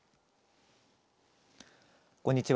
こんにちは。